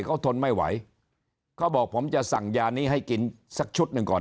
เขาทนไม่ไหวเขาบอกผมจะสั่งยานี้ให้กินสักชุดหนึ่งก่อน